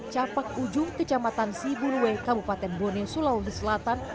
capak ujung kecamatan sibuluwe kabupaten bone sulawesi selatan